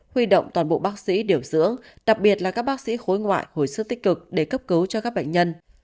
huy động toàn bộ bác sĩ điều dưỡng đặc biệt là các bác sĩ khối ngoại hồi sức tích cực để cấp cứu cho các bệnh nhân